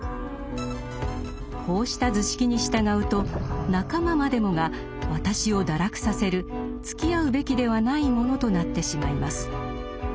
こうした図式に従うと仲間までもが「私」を堕落させるつきあうべきではない者となってしまいます。